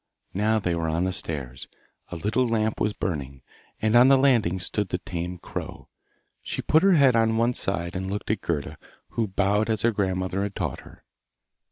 Now they were on the stairs; a little lamp was burning, and on the landing stood the tame crow. She put her head on one side and looked at Gerda, who bowed as her grandmother had taught her.